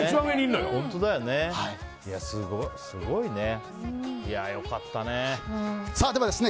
すごいね。